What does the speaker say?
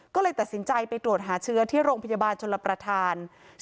ก็เลยตัดสินใจไปตรวจหาเชื้อที่โรงพยาบาลชลประธาน